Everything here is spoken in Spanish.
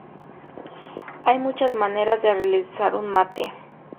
Hay muchas maneras de realizar un mate.